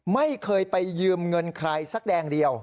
ไม่เคยไปยืมเงินใครสักแดงเดียว